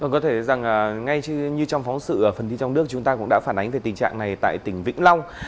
có thể rằng ngay như trong phóng sự ở phần thi trong nước chúng ta cũng đã phản ánh về tình trạng này tại tỉnh vĩnh long